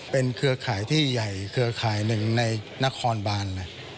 เป็นเครือข่ายที่ใหญ่เครือข่ายหนึ่งในนครบาน